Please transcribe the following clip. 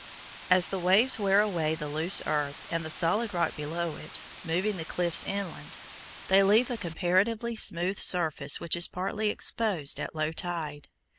As the waves wear away the loose earth and the solid rock below it, moving the cliffs inland, they leave a comparatively smooth surface which is partly exposed at low tide.